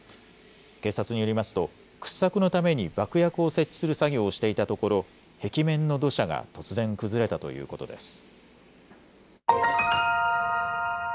警察によりますと、掘削のために爆薬を設置する作業をしていたところ、壁面の土砂が突然崩れたということです。